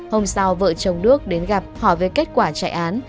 hôm sau vợ chồng đức đến gặp họ về kết quả trại án